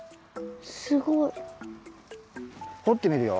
すごい。ほってみるよ。